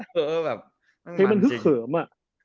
เพลงมันคือเสื่อมอะ